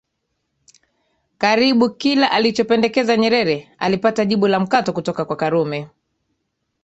Karibu kila alichopendekeza Nyerere alipata jibu la mkato kutoka kwa Karume